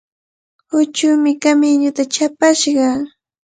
Huchumi kamiñuta chapashqa.